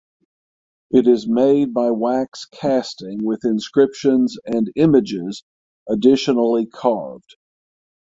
It is made by wax casting with inscriptions and images additionally carved.